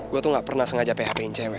gue tuh gak pernah sengaja php in dia be